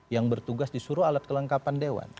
yang bertugas disuruh alat kelengkapan dewan